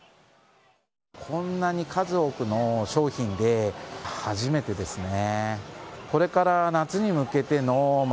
こんなに数多くの商品で初めてですね。